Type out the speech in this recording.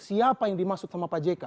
siapa yang dimaksud sama pak jk